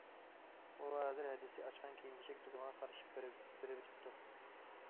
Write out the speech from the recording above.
ئۇ ھازىر ھەدىسى ئاچقان كىيىم- كېچەك دۇكىنىغا قارىشىپ بېرىۋېتىپتۇ.